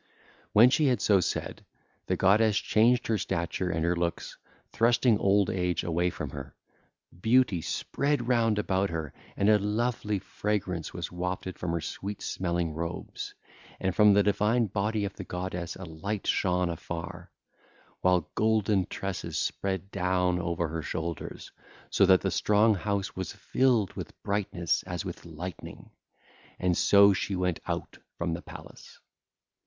(ll. 275 281) When she had so said, the goddess changed her stature and her looks, thrusting old age away from her: beauty spread round about her and a lovely fragrance was wafted from her sweet smelling robes, and from the divine body of the goddess a light shone afar, while golden tresses spread down over her shoulders, so that the strong house was filled with brightness as with lightning. And so she went out from the palace.